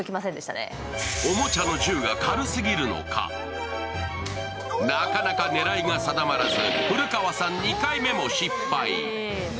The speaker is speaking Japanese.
おもちゃの銃が軽すぎるのか、なかなか狙いが定まらず古川さん、２回目も失敗。